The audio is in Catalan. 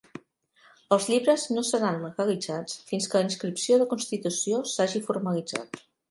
Els llibres no seran legalitzats fins que la inscripció de constitució s'hagi formalitzat.